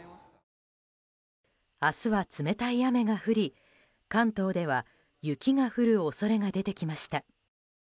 明日は冷たい雨が降り関東では雪が降る恐れが出てきました。